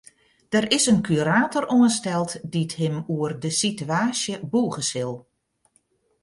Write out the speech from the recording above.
Der is in kurator oansteld dy't him oer de sitewaasje bûge sil.